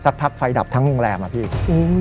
พักไฟดับทั้งโรงแรมอะพี่